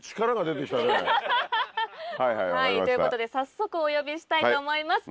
ハハハ！ということで早速お呼びしたいと思います。